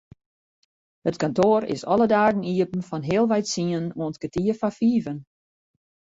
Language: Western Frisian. It kantoar is alle dagen iepen fan healwei tsienen oant kertier foar fiven.